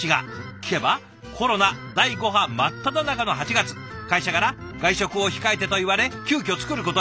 聞けばコロナ第５波真っただ中の８月会社から外食を控えてと言われ急きょ作ることに。